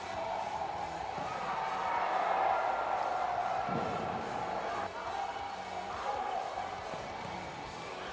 สวัสดีทุกคน